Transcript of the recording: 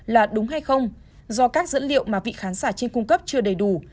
là đúng hay không do các dữ liệu mà vị khán giả trên cung cấp chưa đầy đủ